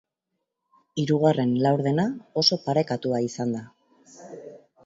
Hirugarren laurdena oso parekatua izan da.